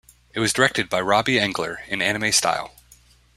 It was directed by Robi Engler in Anime-style.